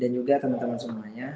dan juga temen temen semuanya